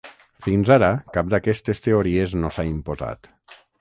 Fins ara, cap d’aquestes teories no s’ha imposat.